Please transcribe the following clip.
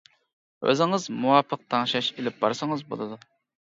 ئۆزىڭىز مۇۋاپىق تەڭشەش ئېلىپ بارسىڭىز بولىدۇ.